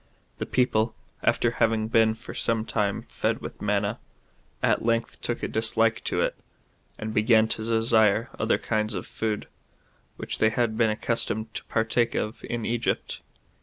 The people, after having been for some time fed with manna, at length took a dislike to it, and began to desire other kinds of food, which they had been accustomed to partake of in Egypt.